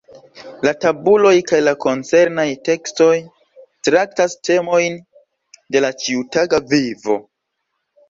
La tabuloj kaj la koncernaj tekstoj traktas temojn de la ĉiutaga vivo.